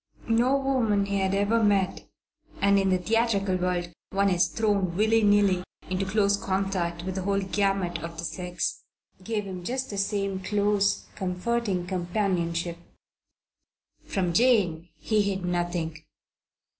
No woman he had ever met and in the theatrical world one is thrown willy nilly into close contact with the whole gamut of the sex gave him just the same close, intimate, comforting companionship. From Jane he hid nothing.